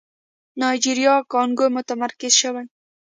نایجيريا کانګو متمرکز شوی.